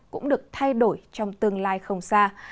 cũng được thay đổi trong tương lai không xa